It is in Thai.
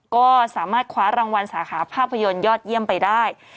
ก็สามารถคว้ารางวัลสาขาภาพยนตร์ยอดเยี่ยมไปได้